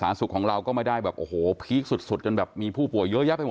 ลูกของเราก็ไม่ได้พีคสุดจนแบบมีผู้ป่วยเยอะแยะไปหมด